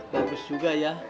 bagus juga ya